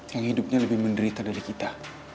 yang hidupnya lebih menderita dari kita